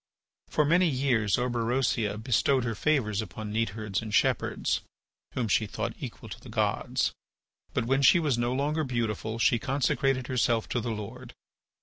For many years Orberosia bestowed her favours upon neatherds and shepherds, whom she thought equal to the gods. But when she was no longer beautiful she consecrated herself to the Lord.